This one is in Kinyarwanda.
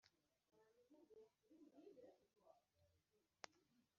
Uguhezwa k Umusenateri mu nama z Inteko